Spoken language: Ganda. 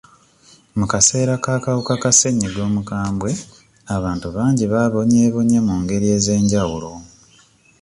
Mu kaseera k'akawuka ka ssenyiga omukambwe, abantu bangi babonyeebonye mu ngeri ez'enjawulo.